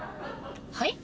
はい？